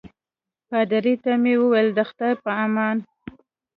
پادري ته مې وویل د خدای په امان.